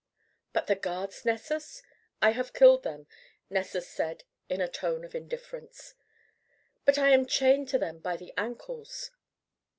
"But the guards, Nessus?" "I have killed them," Nessus said in a tone of indifference. "But I am chained to them by the ankles."